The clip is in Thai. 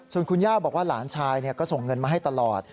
ส่วนคุณย่าบอกว่าหลานชายก็ส่งเงินมาให้ตลอด